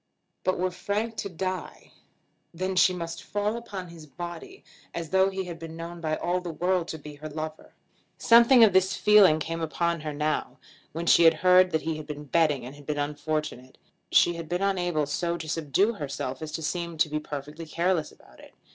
But were Frank to die, then must she fall upon his body as though he had been known by all the world to be her lover. Something of this feeling came upon her now, when she heard that he had been betting and had been unfortunate. She had been unable so to subdue herself as to seem to be perfectly careless about it.